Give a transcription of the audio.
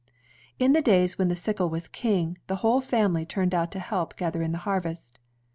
In the days when the sickle was king, the whole family turned out to help gather in the harvest.